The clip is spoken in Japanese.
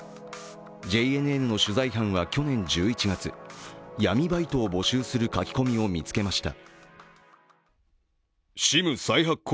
ＪＮＮの取材班は去年１１月、闇バイトを募集する書き込みを見つけました。